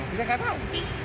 kita gak tau